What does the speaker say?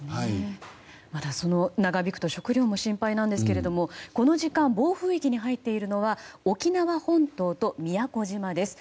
まだ、長引くと食料も心配ですがこの時間暴風域に入っているのは沖縄本島と宮古島です。